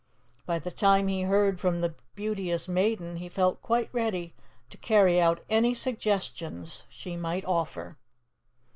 By the time he heard from the Beauteous Maiden, he felt quite ready to carry out any suggestions she might offer.